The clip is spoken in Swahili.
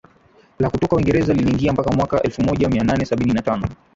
la kutoka Uingereza liliingia hapa mwaka elfumoja mianane sabini na tano